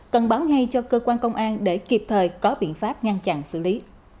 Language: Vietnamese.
cần báo ngay cho cơ quan công an để kịp thời có biện pháp ngăn chặn xử lý